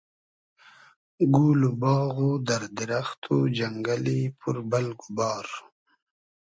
گول و باغ و دئر دیرئخت و جئنگئلی پور بئلگ و بار